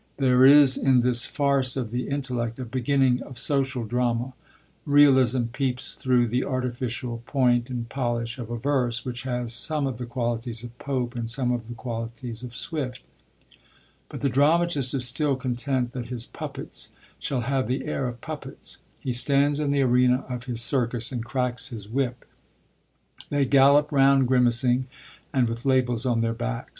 There is, in this farce of the intellect, a beginning of social drama; realism peeps through the artificial point and polish of a verse which has some of the qualities of Pope and some of the qualities of Swift; but the dramatist is still content that his puppets shall have the air of puppets; he stands in the arena of his circus and cracks his whip; they gallop round grimacing, and with labels on their backs.